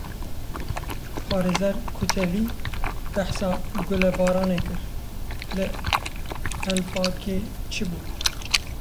Parêzer Kutevî behsa gulebaranê kir; Li Elbakê çi bû?